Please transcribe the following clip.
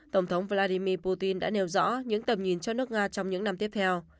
tổng thống vladimir putin đã nêu rõ những tầm nhìn cho nước nga trong những năm tiếp theo